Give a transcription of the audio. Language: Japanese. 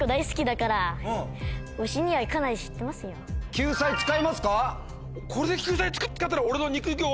救済使いますか？